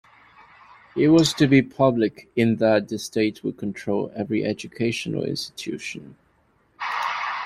It was to be public in that the state would control every educational institution.